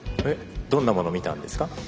どんなもの見たんですか？